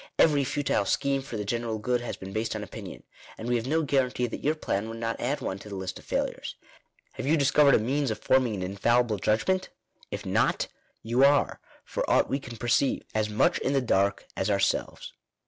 Every futile scheme for the general good has been based on opinion; and we have no guarantee that your plan will not add one to the list of failures. Have you discovered a means of forming an infallible judg ment ? If not, you are, for aught we can perceive, as much in the dark as ourselves.